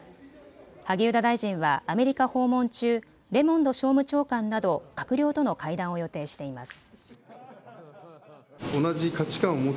萩生田大臣はアメリカ訪問中、レモンド商務長官など閣僚との会談を予定しています。